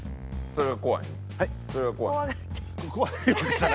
それが怖い？